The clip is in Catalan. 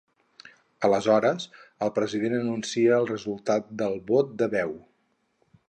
Aleshores, el president anuncia el resultat del vot de veu.